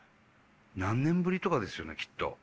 何年ぶりとかですよねきっと。